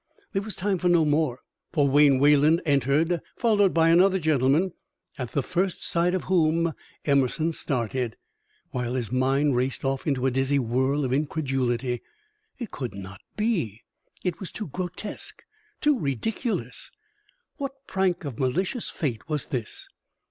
There was time for no more, for Wayne Wayland entered, followed by another gentleman, at the first sight of whom Emerson started, while his mind raced off into a dizzy whirl of incredulity. It could not be! It was too grotesque too ridiculous! What prank of malicious fate was this?